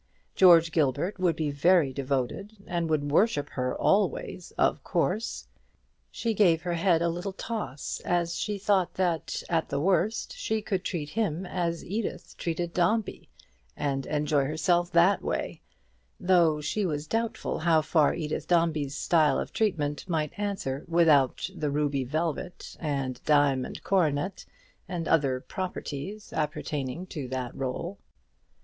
George Gilbert would be very devoted, and would worship her always, of course. She gave her head a little toss as she thought that, at the worst, she could treat him as Edith treated Dombey, and enjoy herself that way; though she was doubtful how far Edith Dombey's style of treatment might answer without the ruby velvet, and diamond coronet, and other "properties" appertaining to the rôle.